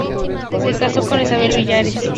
Se casó con Isabel Villares.